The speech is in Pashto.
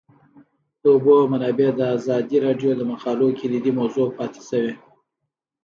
د اوبو منابع د ازادي راډیو د مقالو کلیدي موضوع پاتې شوی.